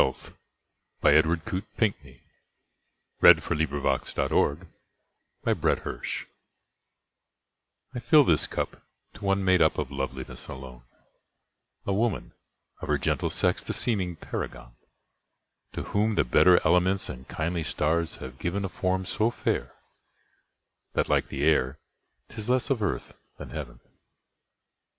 1912. Edward Coate Pinkney 1802–1828 Edward Coate Pinkney 34 A Health I FILL this cup to one made up of loveliness alone,A woman, of her gentle sex the seeming paragon; To whom the better elements and kindly stars have givenA form so fair, that, like the air, 't is less of earth than heaven.